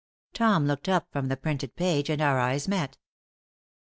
'" Tom looked up from the printed page, and our eyes met.